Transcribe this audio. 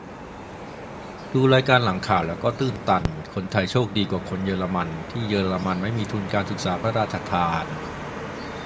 ดูรายการหลังข่าวแล้วก็ตื้นตัน คนไทยโชคดีกว่าคนเยอรมัน ที่เยอรมนีไม่มีทุนการศึกษาพระราชทาน